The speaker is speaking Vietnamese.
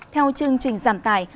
theo chương trình giảm tài